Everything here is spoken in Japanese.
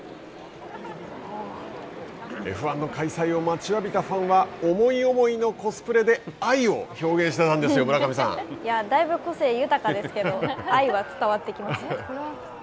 Ｆ１の開催を待ちわびたファンは思い思いのコスプレで愛を表現していたんですよ村上さん。だいぶ個性豊かですけど愛は伝わってきますよね。